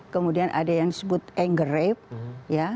kemudian ada yang disebut anger rape ya